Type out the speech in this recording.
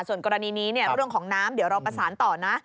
ส่วนกรณีนี้เรื่องของน้ำเดี๋ยวเราประสานต่อนะ